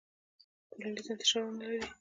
ټولنیز انتشار ونلري.